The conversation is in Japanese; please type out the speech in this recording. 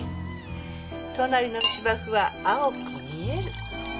隣の芝生は青く見える。